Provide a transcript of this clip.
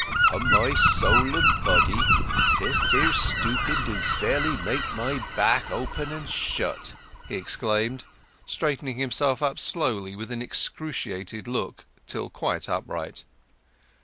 "Upon my soul and body, this here stooping do fairly make my back open and shut!" he exclaimed, straightening himself slowly with an excruciated look till quite upright.